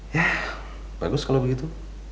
ya bagus kalau begitu